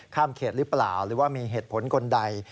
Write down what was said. ข้ามเขตหรือเปล่าหรือว่ามีเหตุผลคนใด